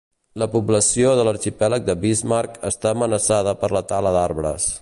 La població de l'arxipèlag de Bismarck està amenaçada per la tala d'arbres.